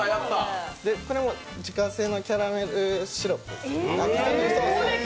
これも自家製のキャラメルシロップです。